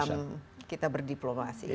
dalam kita berdiplomasi